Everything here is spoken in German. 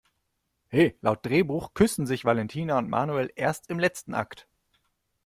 He, laut Drehbuch küssen sich Valentina und Manuel erst im letzten Akt!